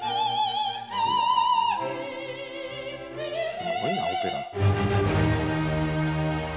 すごいなオペラ。